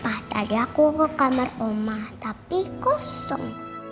papa tadi aku ke kamar oma tapi kosong